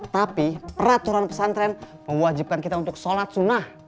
tapi peraturan pesantren mewajibkan kita untuk sholat sunnah